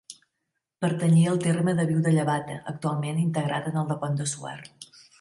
Pertanyia al terme de Viu de Llevata, actualment integrat en el del Pont de Suert.